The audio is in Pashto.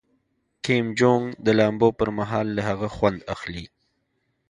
کیم جونګ د لامبو پر مهال له هغه خوند اخلي.